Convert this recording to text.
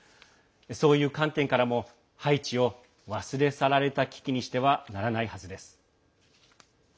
そういう観点からもハイチを忘れ去られた危機にしてはならないはずです。